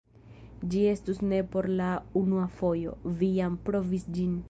Ĝi estus ne por la unua fojo, vi jam provis ĝin!